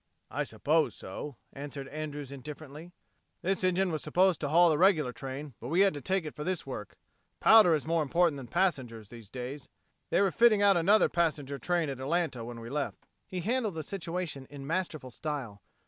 "I suppose so," answered Andrews indifferently. "This engine was supposed to haul the regular train, but we had to take it for this work. Powder is more important than passengers these days. They were fitting out another passenger train at Atlanta when we left." He handled the situation in masterful style.